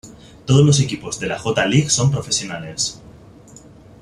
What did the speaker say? Todos los equipos de la J. League son profesionales.